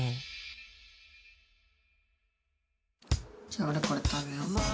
じゃあおれこれ食べよう。